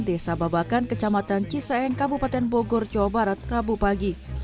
desa babakan kecamatan cisaeng kabupaten bogor jawa barat rabu pagi